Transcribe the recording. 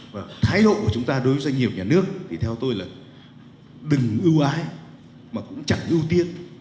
và thái độ của chúng ta đối với doanh nghiệp nhà nước thì theo tôi là đừng ưu ai mà cũng chẳng ưu tiên